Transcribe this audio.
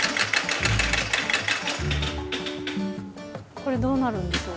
これどうなるんでしょう？